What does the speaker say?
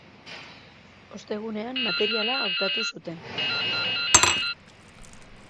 Ostegunean materiala hautatu zuten.